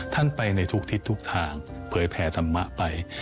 ท่านไปในทุกทิศทุกทางเผยแผ่ธรรมะไป